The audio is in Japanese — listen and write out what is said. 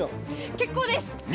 結構です！